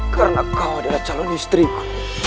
karena kau adalah calon istrimu